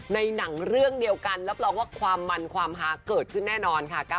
ในหนังเรื่องเดียวกันรับรองว่าความมันความฮาเกิดขึ้นแน่นอนค่ะ